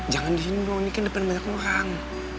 jangan di sini dong ini kan depan banyak orang